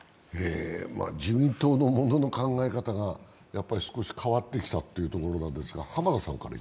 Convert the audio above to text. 自民党のものの考え方が少し変わってきたというところですが。